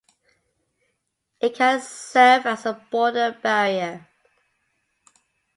It can serve as a border barrier.